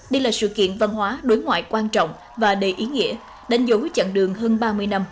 đây là sự kiện văn hóa đối ngoại quan trọng và đầy ý nghĩa đánh dấu chặng đường hơn ba mươi năm